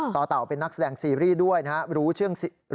ต่อเต่าเป็นนักแสดงซีรีย์ด้วยนะครับ